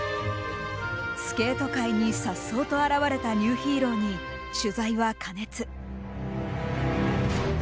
スケート界に、さっそうと現れたニューヒーローに、取材は過熱。